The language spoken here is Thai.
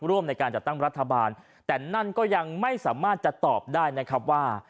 ร่วมในการจัดตั้งรัฐบาลแต่นั่นก็ยังไม่สามารถจะตอบได้นะครับว่า